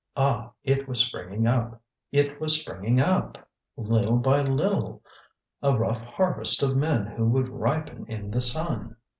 Ah! it was springing up, it was springing up, little by little, a rough harvest of men who would ripen in the sun!